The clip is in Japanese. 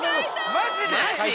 マジで？